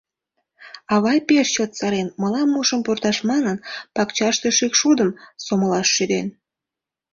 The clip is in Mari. — Авай пеш чот сырен, мылам ушым пурташ манын, пакчаште шӱкшудым сомылаш шӱден.